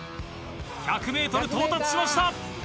１００ｍ到達しました。